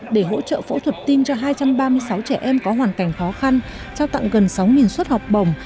để hỗ trợ phẫu thuật tim cho hai trăm ba mươi sáu trẻ em có hoàn cảnh khó khăn trao tặng gần sáu suất học bổng